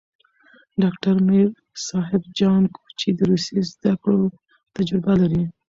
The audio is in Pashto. ډاکټر میر صاب جان کوچي د روسي زدکړو تجربه لري.